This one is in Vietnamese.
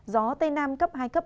gió tây nam cấp hai cấp ba